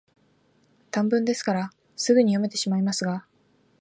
短文ですから、すぐに読めてしまいますが、